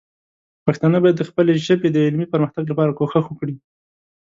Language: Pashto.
پښتانه باید د خپلې ژبې د علمي پرمختګ لپاره کوښښ وکړي.